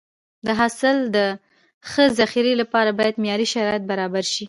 د حاصل د ښه ذخیرې لپاره باید معیاري شرایط برابر شي.